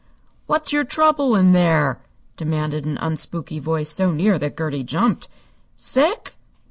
"What's your trouble in there?" demanded an unspooky voice so near that Gertie jumped. "Sick?"